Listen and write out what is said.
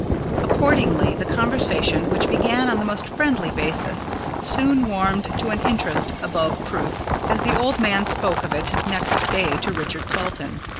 Accordingly the conversation, which began on the most friendly basis, soon warmed to an interest above proof, as the old man spoke of it next day to Richard Salton.